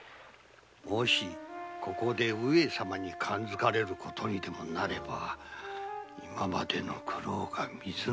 もしここで上様に感づかれることにでもなれば今までの苦労が水の泡となる。